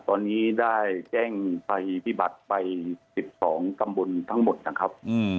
ตอนนี้ได้แจ้งไปพิบัตรไป๑๒จำบุญทั้งหมดครับครับ